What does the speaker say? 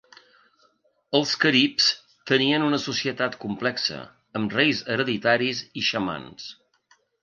Els caribs tenien una societat complexa, amb reis hereditaris i xamans.